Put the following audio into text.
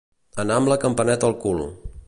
Anar amb la campaneta al cul.